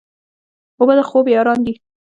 اوبه د خوب یاران دي.